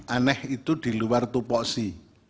aneh itu di luar tupu oksi